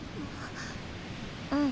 うん。